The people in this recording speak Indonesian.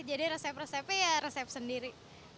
jadi resep resepnya ya resep sendiri